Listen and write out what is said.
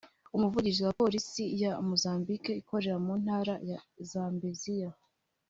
umuvugizi wa Polisi ya Mozambique ikorera mu Ntara ya Zambezia